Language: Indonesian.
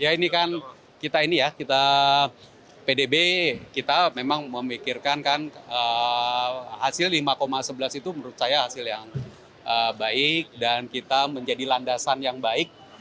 ya ini kan kita ini ya kita pdb kita memang memikirkan kan hasil lima sebelas itu menurut saya hasil yang baik dan kita menjadi landasan yang baik